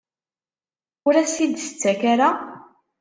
Ur as-t-id-tettak ara?